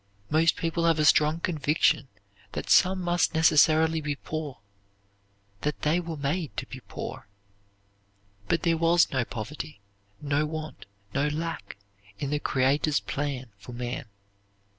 Most people have a strong conviction that some must necessarily be poor; that they were made to be poor. But there was no poverty, no want, no lack, in the Creator's plan for man.